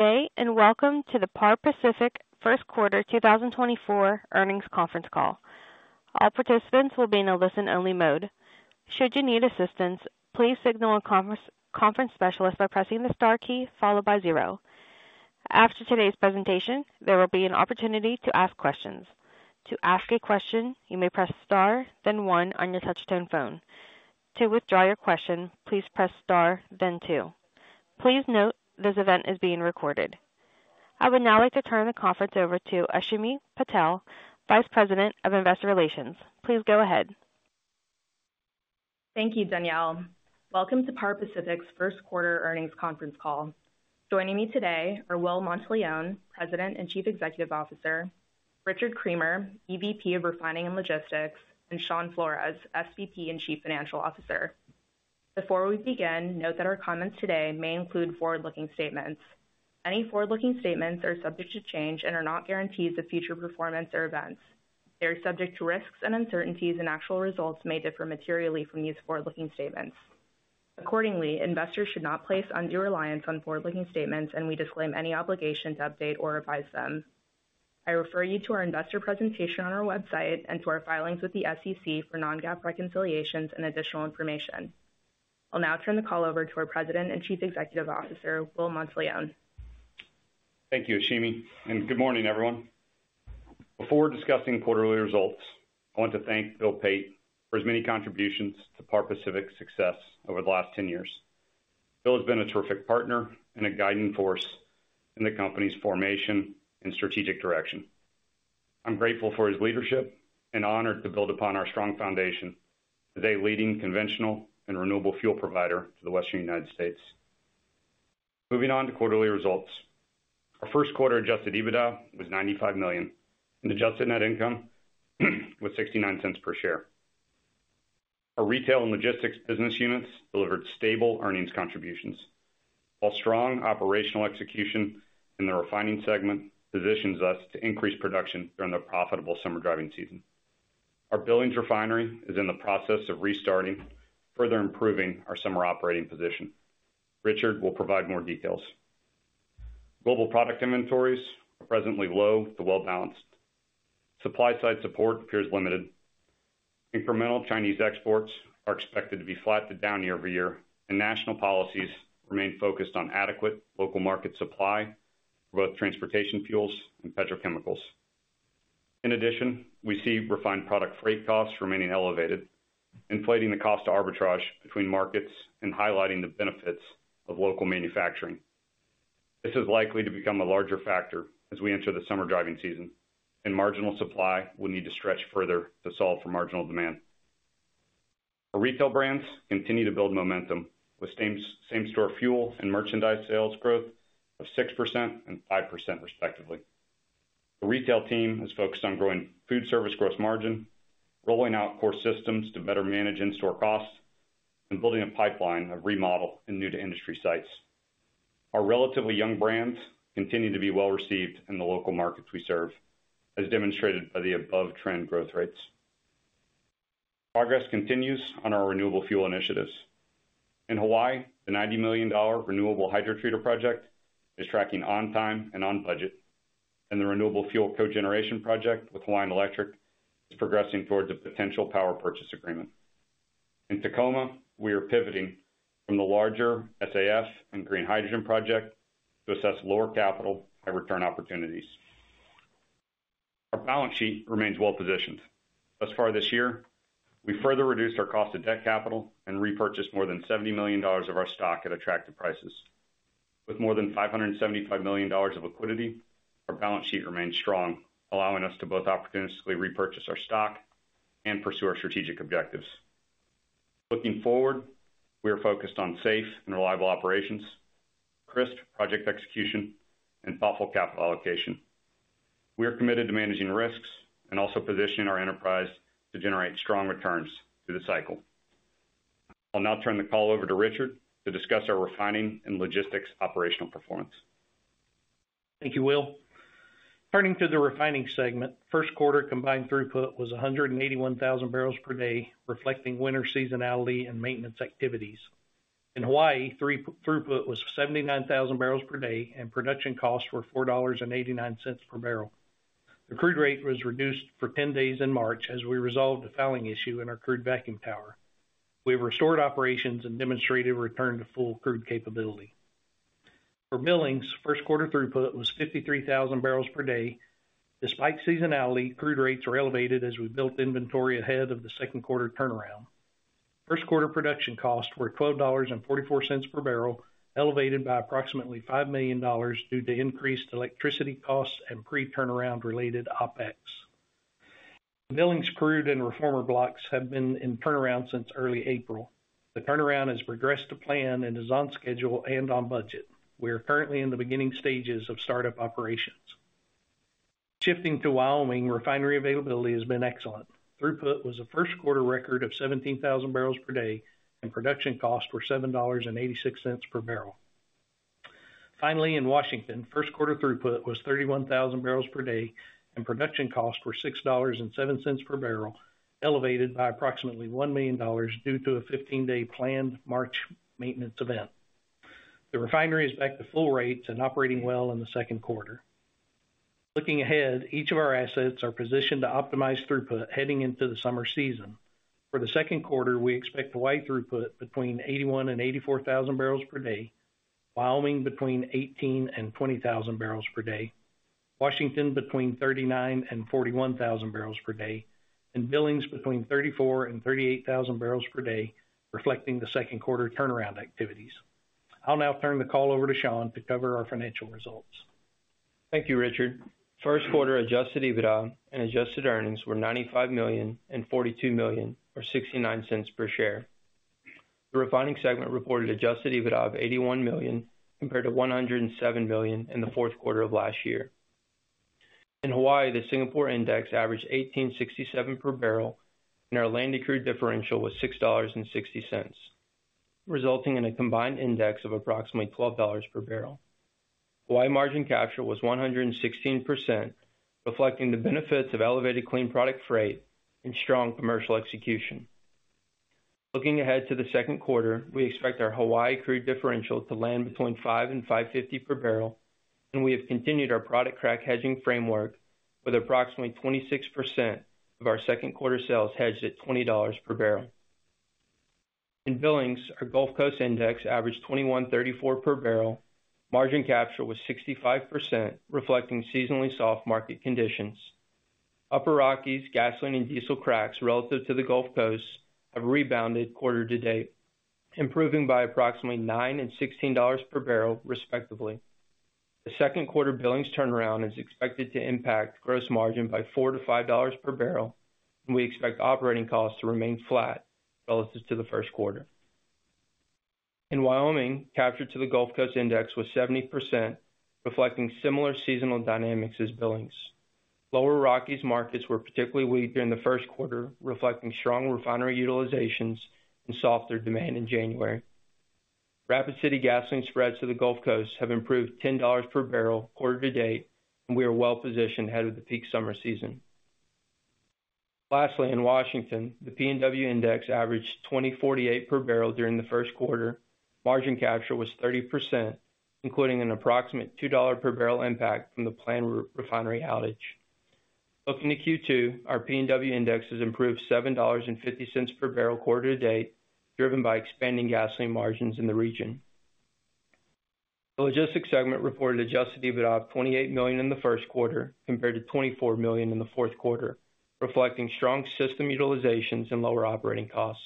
Today and welcome to the Par Pacific First Quarter 2024 earnings conference call. All participants will be in a listen-only mode. Should you need assistance, please signal a conference specialist by pressing the star key followed by zero. After today's presentation, there will be an opportunity to ask questions. To ask a question, you may press star, then one, on your touch-tone phone. To withdraw your question, please press star, then two. Please note this event is being recorded. I would now like to turn the conference over to Ashimi Patel, Vice President of Investor Relations. Please go ahead. Thank you, Danielle. Welcome to Par Pacific's First Quarter earnings conference call. Joining me today are Will Monteleone, President and Chief Executive Officer, Richard Creamer, EVP of Refining and Logistics, and Shawn Flores, SVP and Chief Financial Officer. Before we begin, note that our comments today may include forward-looking statements. Any forward-looking statements are subject to change and are not guarantees of future performance or events. They are subject to risks and uncertainties, and actual results may differ materially from these forward-looking statements. Accordingly, investors should not place undue reliance on forward-looking statements, and we disclaim any obligation to update or revise them. I refer you to our investor presentation on our website and to our filings with the SEC for non-GAAP reconciliations and additional information. I'll now turn the call over to our President and Chief Executive Officer, Will Monteleone. Thank you, Ashimi, and good morning, everyone. Before discussing quarterly results, I want to thank Bill Pate for his many contributions to Par Pacific's success over the last 10 years. Bill has been a terrific partner and a guiding force in the company's formation and strategic direction. I'm grateful for his leadership and honored to build upon our strong foundation as a leading conventional and renewable fuel provider to the Western United States. Moving on to quarterly results. Our Q1 Adjusted EBITDA was $95 million, and Adjusted Net Income was $0.69 per share. Our retail and logistics business units delivered stable earnings contributions, while strong operational execution in the refining segment positions us to increase production during the profitable summer driving season. Our Billings refinery is in the process of restarting, further improving our summer operating position. Richard will provide more details. Global product inventories are presently low to well-balanced. Supply-side support appears limited. Incremental Chinese exports are expected to be flat to down year over year, and national policies remain focused on adequate local market supply for both transportation fuels and petrochemicals. In addition, we see refined product freight costs remaining elevated, inflating the cost to arbitrage between markets and highlighting the benefits of local manufacturing. This is likely to become a larger factor as we enter the summer driving season, and marginal supply will need to stretch further to solve for marginal demand. Our retail brands continue to build momentum, with same-store fuel and merchandise sales growth of 6% and 5%, respectively. The retail team is focused on growing food service gross margin, rolling out core systems to better manage in-store costs, and building a pipeline of remodel in new-to-industry sites. Our relatively young brands continue to be well-received in the local markets we serve, as demonstrated by the above-trend growth rates. Progress continues on our renewable fuel initiatives. In Hawaii, the $90 million renewable hydrotreater project is tracking on time and on budget, and the renewable fuel cogeneration project with Hawaiian Electric is progressing towards a potential power purchase agreement. In Tacoma, we are pivoting from the larger SAF and green hydrogen project to assess lower-capital, high-return opportunities. Our balance sheet remains well-positioned. Thus far this year, we further reduced our cost-to-debt capital and repurchased more than $70 million of our stock at attractive prices. With more than $575 million of liquidity, our balance sheet remains strong, allowing us to both opportunistically repurchase our stock and pursue our strategic objectives. Looking forward, we are focused on safe and reliable operations, crisp project execution, and thoughtful capital allocation. We are committed to managing risks and also positioning our enterprise to generate strong returns through the cycle. I'll now turn the call over to Richard to discuss our refining and logistics operational performance. Thank you, Will. Turning to the refining segment, Q1 combined throughput was 181,000 barrels per day, reflecting winter seasonality and maintenance activities. In Hawaii, throughput was 79,000 barrels per day, and production costs were $4.89 per barrel. The crude rate was reduced for 10 days in March as we resolved a fouling issue in our crude vacuum tower. We have restored operations and demonstrated return to full crude capability. For Billings, Q1 throughput was 53,000 barrels per day. Despite seasonality, crude rates were elevated as we built inventory ahead of the Q2 turnaround. Q1 production costs were $12.44 per barrel, elevated by approximately $5 million due to increased electricity costs and pre-turnaround-related OPEX. Billings crude and reformer blocks have been in turnaround since early April. The turnaround has progressed to plan and is on schedule and on budget. We are currently in the beginning stages of startup operations. Shifting to Wyoming, refinery availability has been excellent. Throughput was a first-quarter record of 17,000 barrels per day, and production costs were $7.86 per barrel. Finally, in Washington, Q1 throughput was 31,000 barrels per day, and production costs were $6.07 per barrel, elevated by approximately $1 million due to a 15-day planned March maintenance event. The refinery is back to full rates and operating well in the Q2. Looking ahead, each of our assets are positioned to optimize throughput heading into the summer season. For the Q2, we expect Hawaii throughput between 81,000 and 84,000 barrels per day, Wyoming between 18,000 and 20,000 barrels per day, Washington between 39,000 and 41,000 barrels per day, and Billings between 34,000 and 38,000 barrels per day, reflecting the Q2 turnaround activities. I'll now turn the call over to Shawn to cover our financial results. Thank you, Richard. Q1 Adjusted EBITDA and adjusted earnings were $95 and 42 million or $0.69 per share. The refining segment reported Adjusted EBITDA of $81 million compared to $107 million in the Q4 of last year. In Hawaii, the Singapore Index averaged $18.67 per barrel, and our land-to-crude differential was $6.60, resulting in a combined index of approximately $12 per barrel. Hawaii margin capture was 116%, reflecting the benefits of elevated clean product freight and strong commercial execution. Looking ahead to the Q2, we expect our Hawaii crude differential to land between $5 and 5.50 per barrel, and we have continued our product crack hedging framework with approximately 26% of our Q2 sales hedged at $20 per barrel. In Billings, our Gulf Coast index averaged $21.34 per barrel. Margin capture was 65%, reflecting seasonally soft market conditions. Upper Rockies gasoline and diesel cracks relative to the Gulf Coast have rebounded quarter to date, improving by approximately $9 and 16 per barrel, respectively. The Q2 Billings turnaround is expected to impact gross margin by $4 to 5 per barrel, and we expect operating costs to remain flat relative to the Q1. In Wyoming, capture to the Gulf Coast index was 70%, reflecting similar seasonal dynamics as Billings. Lower Rockies markets were particularly weak during the Q1, reflecting strong refinery utilizations and softer demand in January. Rapid City gasoline spreads to the Gulf Coast have improved $10 per barrel quarter to date, and we are well-positioned ahead of the peak summer season. Lastly, in Washington, the PNW index averaged $20.48 per barrel during the Q1. Margin capture was 30%, including an approximate $2 per barrel impact from the planned refinery outage. Looking to Q2, our PNW index has improved $7.50 per barrel quarter to date, driven by expanding gasoline margins in the region. The logistics segment reported Adjusted EBITDA of $28 million in the Q1 compared to $24 million in the Q4, reflecting strong system utilizations and lower operating costs.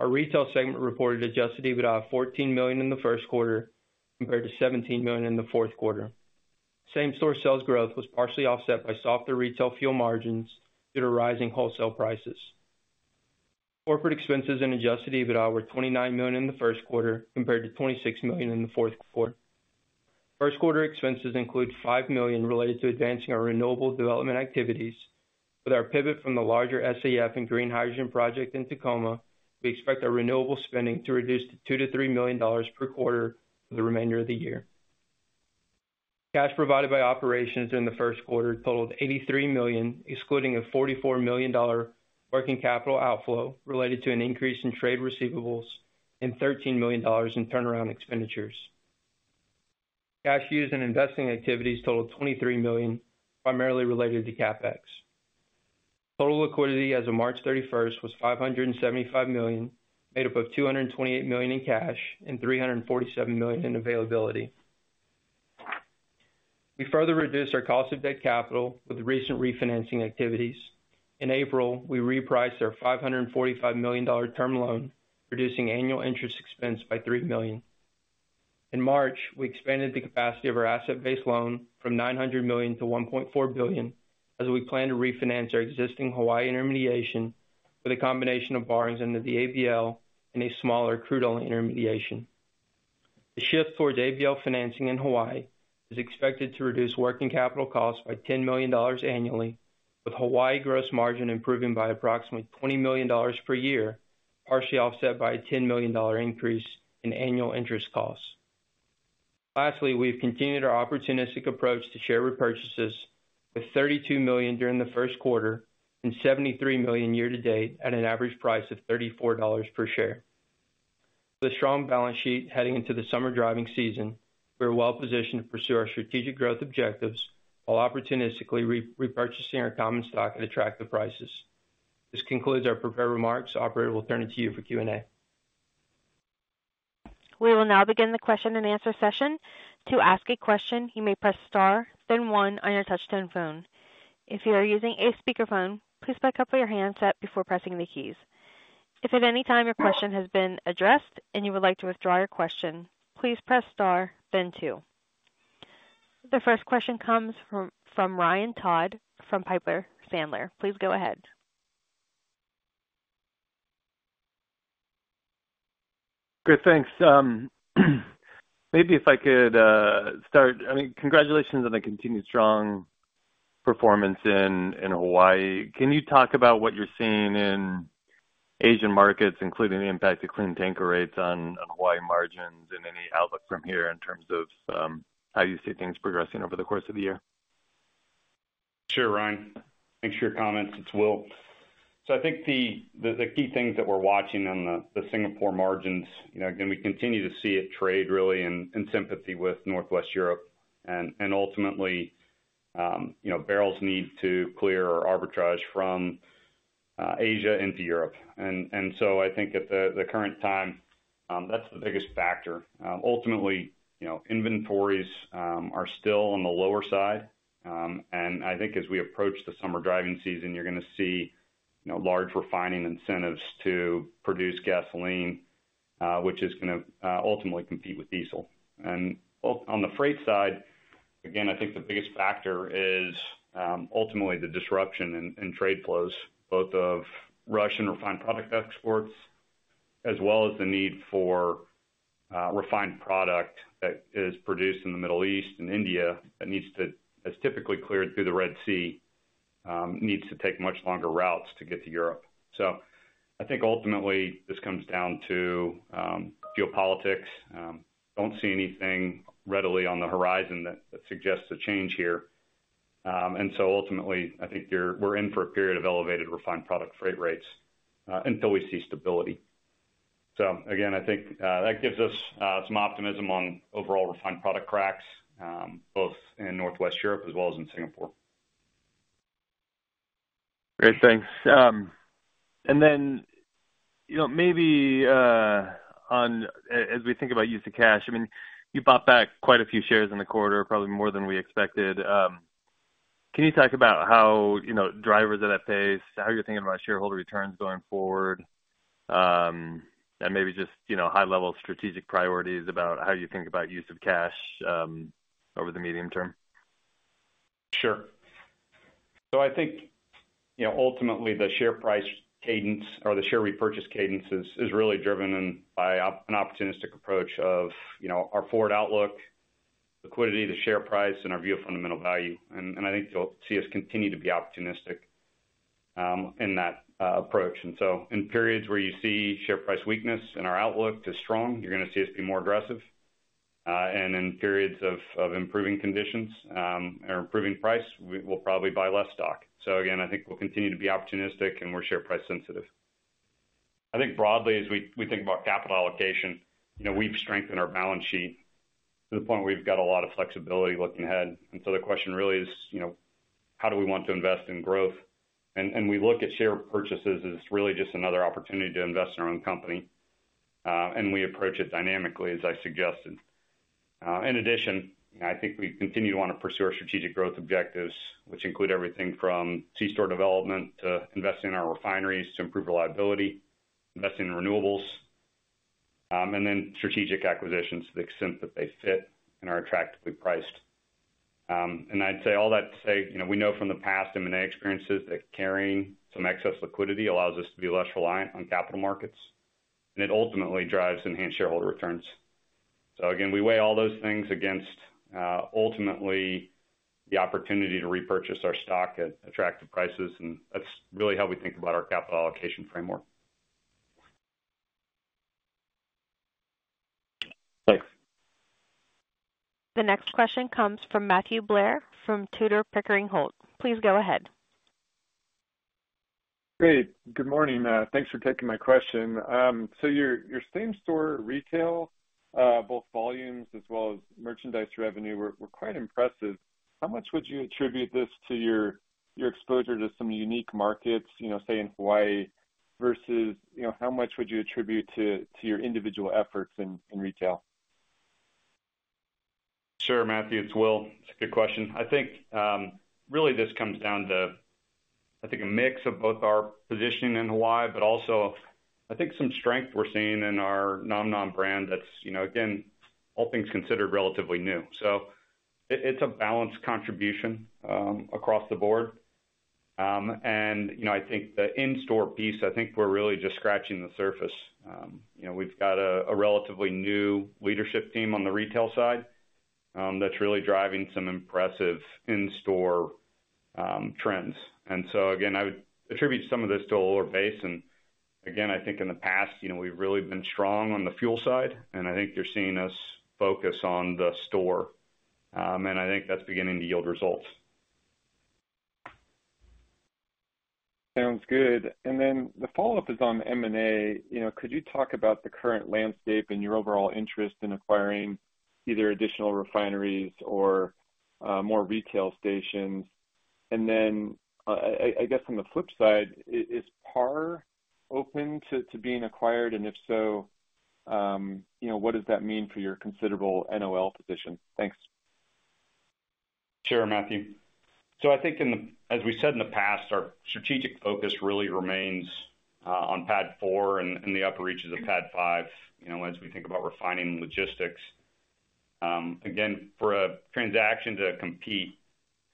Our retail segment reported Adjusted EBITDA of $14 million in the Q1 compared to $17 million in the Q4. Same-store sales growth was partially offset by softer retail fuel margins due to rising wholesale prices. Corporate expenses in Adjusted EBITDA were $29 million in the Q1 compared to $26 million in the Q4. Q1 expenses include $5 million related to advancing our renewable development activities. With our pivot from the larger SAF and green hydrogen project in Tacoma, we expect our renewable spending to reduce to $2 to 3 million per quarter for the remainder of the year. Cash provided by operations during the Q1 totaled $83 million, excluding a $44 million working capital outflow related to an increase in trade receivables and $13 million in turnaround expenditures. Cash used in investing activities totaled $23 million, primarily related to CapEx. Total liquidity as of 31 March was $575 million, made up of $228 million in cash and $347 million in availability. We further reduced our cost-of-debt capital with recent refinancing activities. In April, we repriced our $545 million term loan, reducing annual interest expense by $3 million. In March, we expanded the capacity of our asset-based loan from $900 million to $1.4 billion as we plan to refinance our existing Hawaii intermediation with a combination of borrowings under the ABL and a smaller crude-only intermediation. The shift towards ABL financing in Hawaii is expected to reduce working capital costs by $10 million annually, with Hawaii gross margin improving by approximately $20 million per year, partially offset by a $10 million increase in annual interest costs. Lastly, we've continued our opportunistic approach to share repurchases, with 32 million during the Q1 and 73 million year to date at an average price of $34 per share. With a strong balance sheet heading into the summer driving season, we are well-positioned to pursue our strategic growth objectives while opportunistically repurchasing our common stock at attractive prices. This concludes our prepared remarks. Operator will turn it to you for Q&A. We will now begin the question-and-answer session. To ask a question, you may press star, then one, on your touchscreen phone. If you are using a speakerphone, please pick up with your handset before pressing the keys. If at any time your question has been addressed and you would like to withdraw your question, please press star, then two. The first question comes from Ryan Todd from Piper Sandler. Please go ahead. Good. Thanks. Maybe if I could start, I mean, congratulations on the continued strong performance in Hawaii. Can you talk about what you're seeing in Asian markets, including the impact of clean tanker rates on Hawaii margins, and any outlook from here in terms of how you see things progressing over the course of the year? Sure, Ryan. Thanks for your comments. It's Will. So I think the key things that we're watching on the Singapore margins again, we continue to see it trade really in sympathy with Northwest Europe. And ultimately, barrels need to clear or arbitrage from Asia into Europe. And so I think at the current time, that's the biggest factor. Ultimately, inventories are still on the lower side. And I think as we approach the summer driving season, you're going to see large refining incentives to produce gasoline, which is going to ultimately compete with diesel. And on the freight side, again, I think the biggest factor is ultimately the disruption in trade flows, both of Russian refined product exports as well as the need for refined product that is produced in the Middle East and India that needs to have typically cleared through the Red Sea, needs to take much longer routes to get to Europe. So I think ultimately, this comes down to geopolitics. Don't see anything readily on the horizon that suggests a change here. And so ultimately, I think we're in for a period of elevated refined product freight rates until we see stability. So again, I think that gives us some optimism on overall refined product cracks, both in Northwest Europe as well as in Singapore. Great. Thanks. And then maybe as we think about use of cash I mean, you bought back quite a few shares in the quarter, probably more than we expected. Can you talk about how drivers at that pace, how you're thinking about shareholder returns going forward, and maybe just high-level strategic priorities about how you think about use of cash over the medium term? Sure. So I think ultimately, the share price cadence or the share repurchase cadence is really driven by an opportunistic approach of our forward outlook, liquidity, the share price, and our view of fundamental value. And I think you'll see us continue to be opportunistic in that approach. And so in periods where you see share price weakness and our outlook is strong, you're going to see us be more aggressive. And in periods of improving conditions or improving price, we'll probably buy less stock. So again, I think we'll continue to be opportunistic, and we're share price sensitive. I think broadly, as we think about capital allocation, we've strengthened our balance sheet to the point where we've got a lot of flexibility looking ahead. And so the question really is, how do we want to invest in growth? We look at share purchases as really just another opportunity to invest in our own company. We approach it dynamically, as I suggested. In addition, I think we continue to want to pursue our strategic growth objectives, which include everything from C-store development to investing in our refineries to improve reliability, investing in renewables, and then strategic acquisitions to the extent that they fit and are attractively priced. I'd say all that to say we know from the past M&A experiences that carrying some excess liquidity allows us to be less reliant on capital markets. It ultimately drives enhanced shareholder returns. So again, we weigh all those things against ultimately the opportunity to repurchase our stock at attractive prices. That's really how we think about our capital allocation framework. Thanks. The next question comes from Matthew Blair from Tudor, Pickering, Holt. Please go ahead. Great. Good morning. Thanks for taking my question. So your same-store retail, both volumes as well as merchandise revenue, were quite impressive. How much would you attribute this to your exposure to some unique markets, say in Hawaii, versus how much would you attribute to your individual efforts in retail? Sure, Matthew. It's Will. It's a good question. I think really this comes down to, I think, a mix of both our positioning in Hawaii, but also I think some strength we're seeing in our nomnom brand that's, again, all things considered, relatively new. So it's a balanced contribution across the board. And I think the in-store piece, I think we're really just scratching the surface. We've got a relatively new leadership team on the retail side that's really driving some impressive in-store trends. And so again, I would attribute some of this to a lower base. And again, I think in the past, we've really been strong on the fuel side. And I think you're seeing us focus on the store. And I think that's beginning to yield results. Sounds good. And then the follow-up is on M&A. Could you talk about the current landscape and your overall interest in acquiring either additional refineries or more retail stations? And then I guess on the flip side, is Par open to being acquired? And if so, what does that mean for your considerable NOL position? Thanks. Sure, Matthew. So I think as we said in the past, our strategic focus really remains on PADD 4 and the upper reaches of PADD 5 as we think about refining and logistics. Again, for a transaction to compete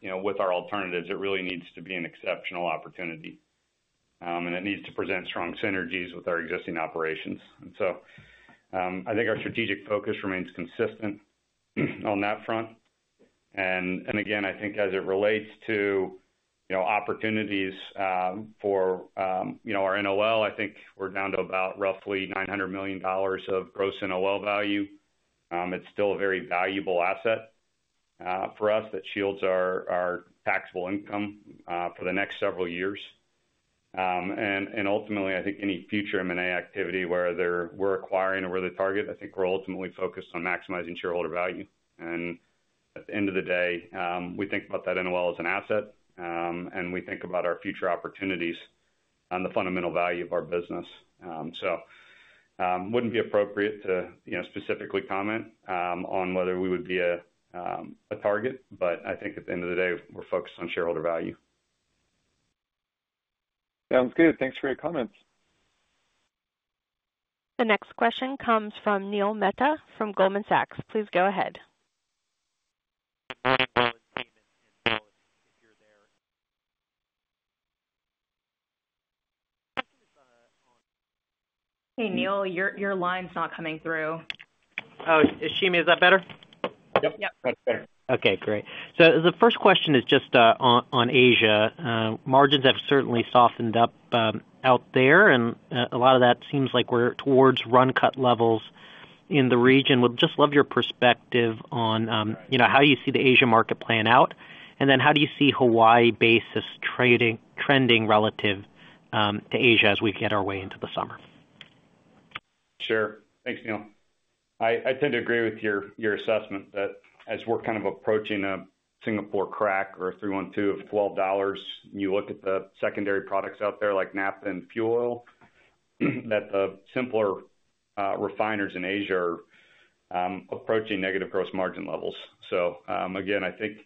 with our alternatives, it really needs to be an exceptional opportunity. And it needs to present strong synergies with our existing operations. And so I think our strategic focus remains consistent on that front. And again, I think as it relates to opportunities for our NOL, I think we're down to about roughly $900 million of gross NOL value. It's still a very valuable asset for us that shields our taxable income for the next several years. And ultimately, I think any future M&A activity where we're acquiring or where the target, I think we're ultimately focused on maximizing shareholder value. And at the end of the day, we think about that NOL as an asset. And we think about our future opportunities on the fundamental value of our business. So it wouldn't be appropriate to specifically comment on whether we would be a target. But I think at the end of the day, we're focused on shareholder value. Sounds good. Thanks for your comments. The next question comes from Neil Mehta from Goldman Sachs. Please go ahead. Hey, Neil. Your line's not coming through. Oh, Ashimi, is that better? Yep. Yep. That's better. Okay. Great. So the first question is just on Asia. Margins have certainly softened up out there. And a lot of that seems like we're towards run-cut levels in the region. We'd just love your perspective on how you see the Asia market playing out. And then how do you see Hawaii basis trending relative to Asia as we get our way into the summer? Sure. Thanks, Neil. I tend to agree with your assessment that as we're kind of approaching a Singapore crack or a 3-1-2 of $12, and you look at the secondary products out there like naphtha and fuel oil, that the simpler refiners in Asia are approaching negative gross margin levels. So again, I think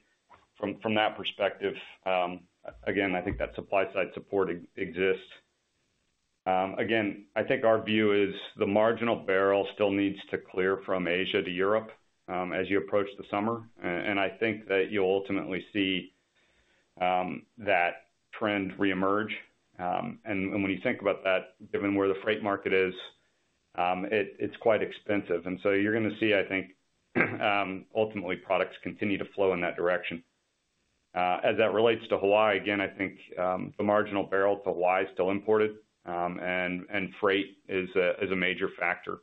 from that perspective, again, I think that supply-side support exists. Again, I think our view is the marginal barrel still needs to clear from Asia to Europe as you approach the summer. And I think that you'll ultimately see that trend reemerge. And when you think about that, given where the freight market is, it's quite expensive. And so you're going to see, I think, ultimately, products continue to flow in that direction. As that relates to Hawaii, again, I think the marginal barrel to Hawaii is still imported. And freight is a major factor.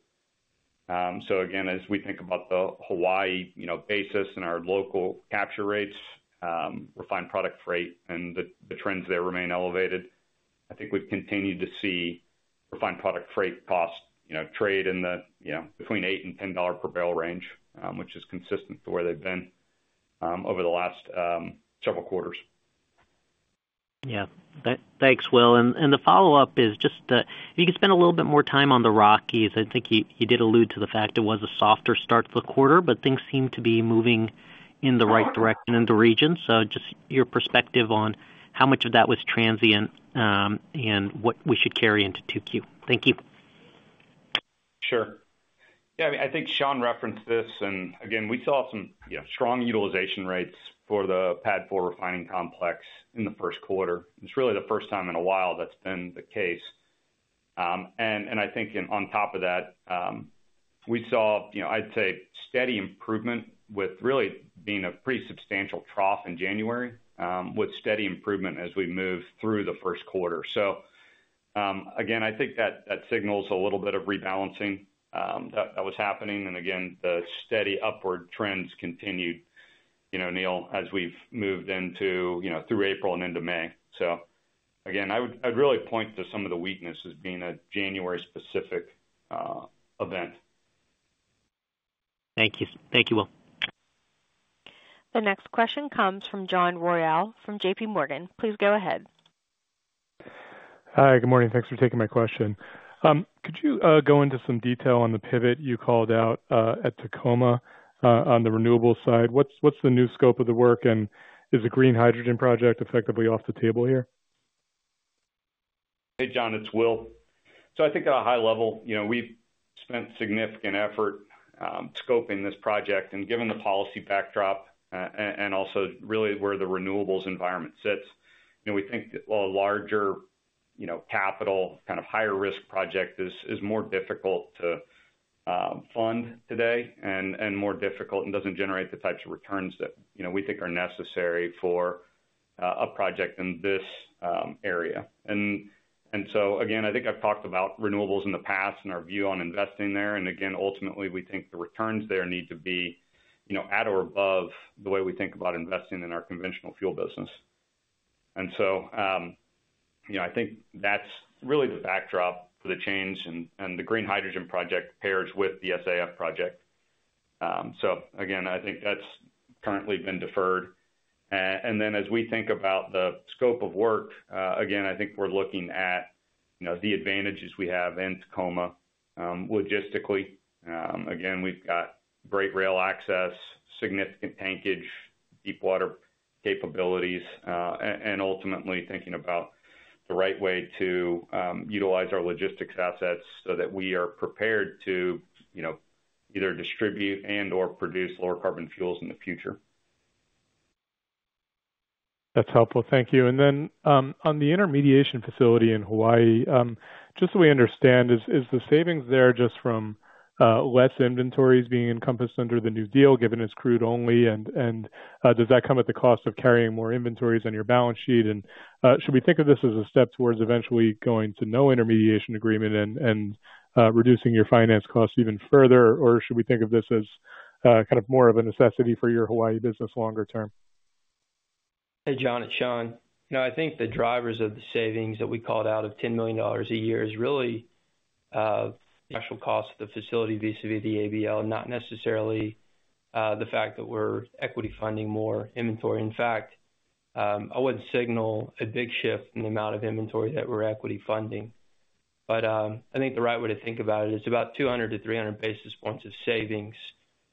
So again, as we think about the Hawaii basis and our local capture rates, refined product freight, and the trends there remain elevated. I think we've continued to see refined product freight cost trade in the between $8 to 10 per barrel range, which is consistent to where they've been over the last several quarters. Yeah. Thanks, Will. And the follow-up is just if you could spend a little bit more time on the Rockies. I think you did allude to the fact it was a softer start to the quarter, but things seem to be moving in the right direction in the region. So just your perspective on how much of that was transient and what we should carry into Q2. Thank you. Sure. Yeah. I mean, I think Shawn referenced this. And again, we saw some strong utilization rates for the PADD 4 refining complex in the Q1. It's really the first time in a while that's been the case. And I think on top of that, we saw, I'd say, steady improvement with really being a pretty substantial trough in January with steady improvement as we move through the Q1. So again, I think that signals a little bit of rebalancing that was happening. And again, the steady upward trends continued, Neil, as we've moved through April and into May. So again, I would really point to some of the weaknesses being a January-specific event. Thank you. Thank you, Will. The next question comes from John Royall from J.P. Morgan. Please go ahead. Hi. Good morning. Thanks for taking my question. Could you go into some detail on the pivot you called out at Tacoma on the renewable side? What's the new scope of the work? And is the Green Hydrogen project effectively off the table here? Hey, John. It's Will. So I think at a high level, we've spent significant effort scoping this project. And given the policy backdrop and also really where the renewables environment sits, we think a larger capital, kind of higher-risk project is more difficult to fund today and more difficult and doesn't generate the types of returns that we think are necessary for a project in this area. And so again, I think I've talked about renewables in the past and our view on investing there. And again, ultimately, we think the returns there need to be at or above the way we think about investing in our conventional fuel business. And so I think that's really the backdrop for the change. And the green hydrogen project pairs with the SAF project. So again, I think that's currently been deferred. And then as we think about the scope of work, again, I think we're looking at the advantages we have in Tacoma logistically. Again, we've got great rail access, significant tankage, deepwater capabilities, and ultimately thinking about the right way to utilize our logistics assets so that we are prepared to either distribute and/or produce lower-carbon fuels in the future. That's helpful. Thank you. And then on the intermediation facility in Hawaii, just so we understand, is the savings there just from less inventories being encompassed under the new deal, given it's crude only? And does that come at the cost of carrying more inventories on your balance sheet? And should we think of this as a step towards eventually going to no intermediation agreement and reducing your finance costs even further? Or should we think of this as kind of more of a necessity for your Hawaii business longer term? Hey, John. It's Shawn. I think the drivers of the savings that we called out of $10 million a year is really the actual cost of the facility vis-à-vis the ABL, not necessarily the fact that we're equity funding more inventory. In fact, I wouldn't signal a big shift in the amount of inventory that we're equity funding. But I think the right way to think about it is about 200 to 300 basis points of savings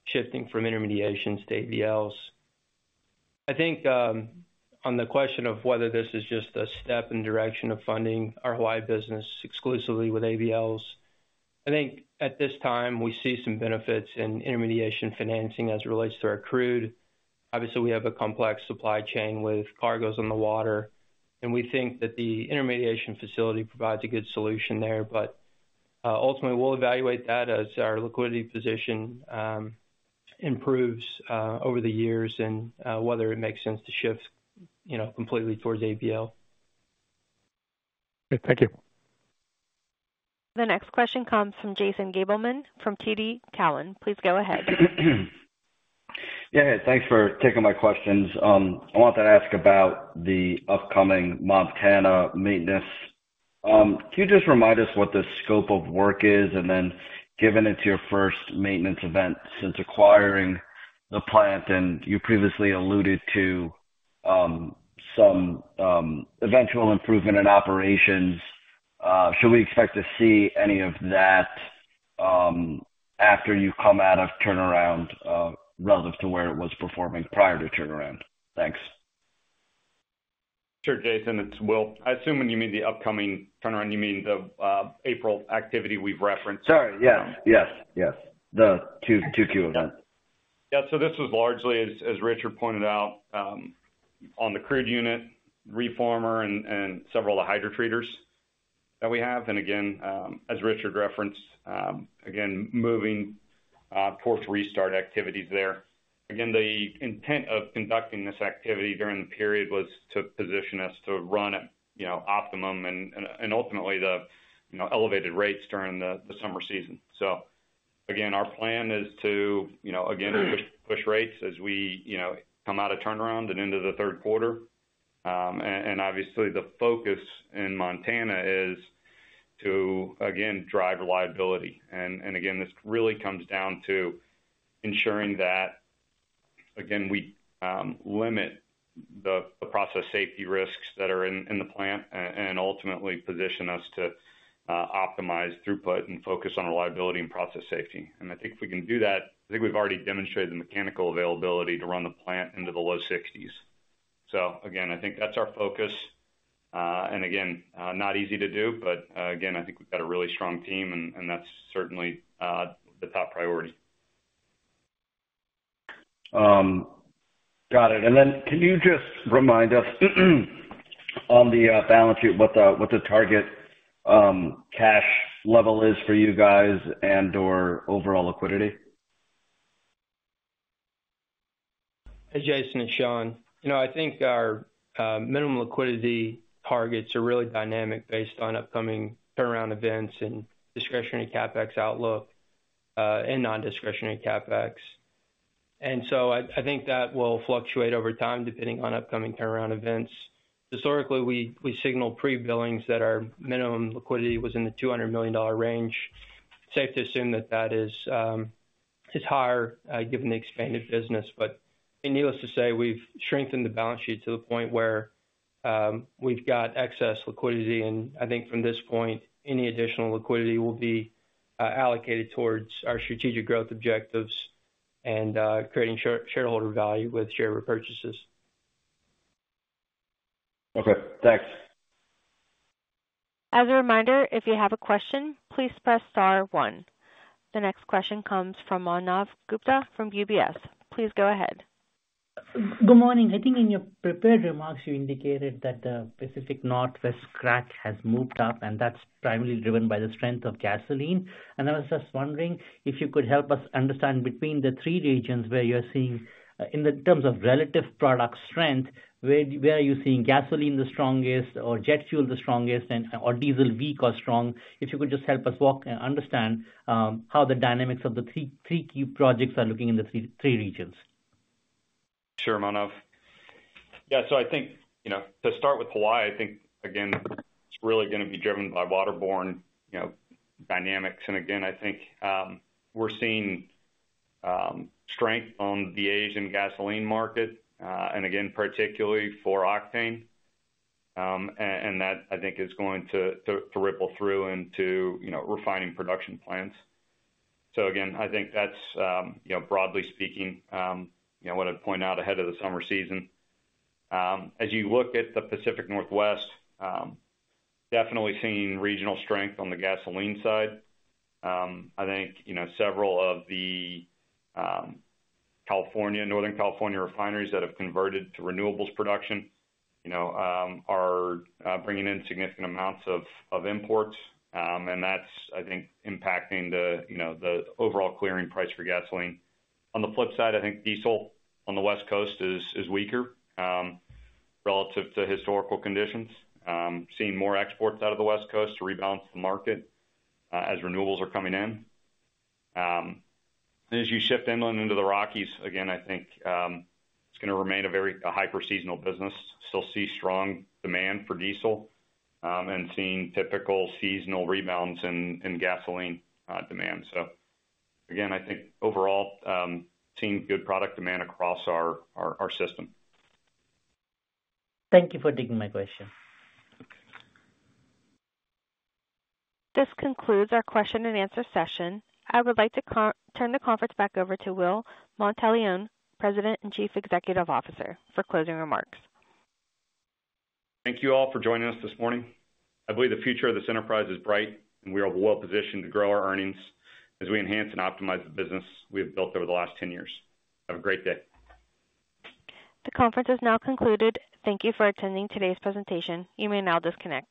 shifting from intermediation to ABLs. I think on the question of whether this is just a step in direction of funding our Hawaii business exclusively with ABLs, I think at this time, we see some benefits in intermediation financing as it relates to our crude. Obviously, we have a complex supply chain with cargoes on the water. And we think that the intermediation facility provides a good solution there. But ultimately, we'll evaluate that as our liquidity position improves over the years and whether it makes sense to shift completely towards ABL. Great. Thank you. The next question comes from Jason Gabelman from TD Cowen. Please go ahead. Yeah. Yeah. Thanks for taking my questions. I wanted to ask about the upcoming Montana maintenance. Can you just remind us what the scope of work is? And then given it's your first maintenance event since acquiring the plant, and you previously alluded to some eventual improvement in operations, should we expect to see any of that after you come out of turnaround relative to where it was performing prior to turnaround? Thanks. Sure, Jason. It's Will. I assume when you mean the upcoming turnaround, you mean the April activity we've referenced? Sorry. Yeah. Yes. The Q2 event. Yeah. So this was largely, as Richard pointed out, on the crude unit, reformer, and several of the hydrotreaters that we have. And again, as Richard referenced, again, moving towards restart activities there. Again, the intent of conducting this activity during the period was to position us to run at optimum and ultimately the elevated rates during the summer season. So again, our plan is to, again, push rates as we come out of turnaround and into the Q3. And obviously, the focus in Montana is to, again, drive reliability. And again, this really comes down to ensuring that, again, we limit the process safety risks that are in the plant and ultimately position us to optimize throughput and focus on reliability and process safety. And I think if we can do that, I think we've already demonstrated the mechanical availability to run the plant into the low 60s. So again, I think that's our focus. And again, not easy to do. But again, I think we've got a really strong team. And that's certainly the top priority. Got it. And then can you just remind us on the balance sheet what the target cash level is for you guys and/or overall liquidity? Hey, Jason. It's Shawn. I think our minimum liquidity targets are really dynamic based on upcoming turnaround events and discretionary CapEx outlook and non-discretionary CapEx. And so I think that will fluctuate over time depending on upcoming turnaround events. Historically, we signal pre-Billings that our minimum liquidity was in the $200 million range. Safe to assume that that is higher given the expanded business. But needless to say, we've strengthened the balance sheet to the point where we've got excess liquidity. And I think from this point, any additional liquidity will be allocated towards our strategic growth objectives and creating shareholder value with share repurchases. Okay. Thanks. As a reminder, if you have a question, please press star one. The next question comes from Manav Gupta from UBS. Please go ahead. Good morning. I think in your prepared remarks, you indicated that the Pacific Northwest crack has moved up. That's primarily driven by the strength of gasoline. I was just wondering if you could help us understand between the three regions where you're seeing in terms of relative product strength, where are you seeing gasoline the strongest or jet fuel the strongest or diesel weak or strong? If you could just help us walk and understand how the dynamics of the Q3 projects are looking in the three regions. Sure, Manav. Yeah. So I think to start with Hawaii, I think, again, it's really going to be driven by waterborne dynamics. And again, I think we're seeing strength on the Asian gasoline market and again, particularly for octane. And that, I think, is going to ripple through into refining production plants. So again, I think that's, broadly speaking, what I'd point out ahead of the summer season. As you look at the Pacific Northwest, definitely seeing regional strength on the gasoline side. I think several of the Northern California refineries that have converted to renewables production are bringing in significant amounts of imports. And that's, I think, impacting the overall clearing price for gasoline. On the flip side, I think diesel on the West Coast is weaker relative to historical conditions, seeing more exports out of the West Coast to rebalance the market as renewables are coming in. As you shift inland into the Rockies, again, I think it's going to remain a hyper-seasonal business, still see strong demand for diesel, and seeing typical seasonal rebalance in gasoline demand. Again, I think overall, seeing good product demand across our system. Thank you for taking my question. This concludes our question-and-answer session. I would like to turn the conference back over to Will Monteleone, President and Chief Executive Officer, for closing remarks. Thank you all for joining us this morning. I believe the future of this enterprise is bright, and we are well-positioned to grow our earnings as we enhance and optimize the business we have built over the last 10 years. Have a great day. The conference is now concluded. Thank you for attending today's presentation. You may now disconnect.